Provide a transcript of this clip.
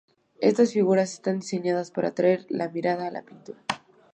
Estas figuras están diseñadas para atraer la mirada a la pintura.